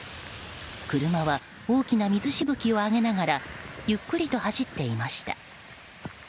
車は大きな水しぶきを上げながらゆっくりと走っていました。